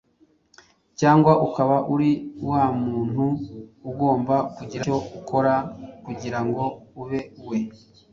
cyangwa ukaba uri wa muntu ugomba kugira icyo ukora kugira ngo ube we?